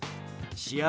試合